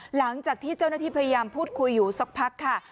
หลังจากที่เจ้าหน้าที่พยายามพูดคุยอยู่สักพักค่ะ